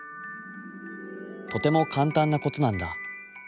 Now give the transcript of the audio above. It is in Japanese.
とてもかんたんなことなんだ。